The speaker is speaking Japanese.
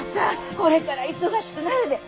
これから忙しくなるで。